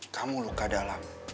kamu luka dalam